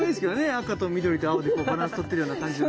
赤と緑と青でこうバランスとってるような感じで。